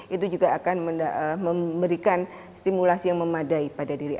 itu juga akan memberikan stimulasi yang memadai pada diri